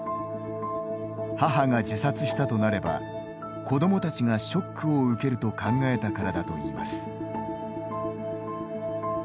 母が自殺したとなれば子どもたちがショックを受けると考えたからだといいます。